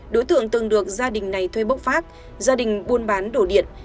đối tượng từng được gia đình này thuê bốc phát gia đình buôn bán đổ điện